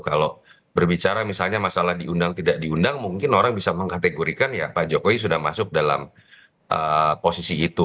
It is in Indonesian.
kalau berbicara misalnya masalah diundang tidak diundang mungkin orang bisa mengkategorikan ya pak jokowi sudah masuk dalam posisi itu